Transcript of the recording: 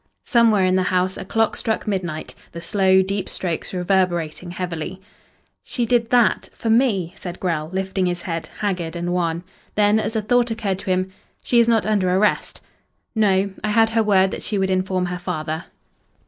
Somewhere in the house a clock struck midnight, the slow, deep strokes reverberating heavily. "She did that for me!" said Grell, lifting his head, haggard and wan. Then, as a thought occurred to him, "She is not under arrest?" "No. I had her word that she would inform her father."